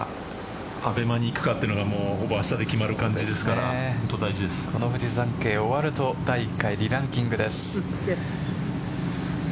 ＡＢＥＭＡにいくかというのが明日で決まる感じですからフジサンケイ終わると第１回リランキングです。